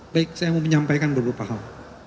baik saya mau menyampaikan beberapa hal